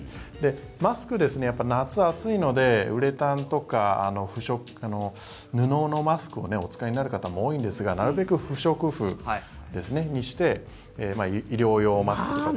マスク、夏は暑いのでウレタンとか布のマスクをお使いになる方も多いんですがなるべく不織布にして医療用マスクとか。